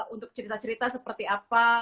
untuk cerita cerita seperti apa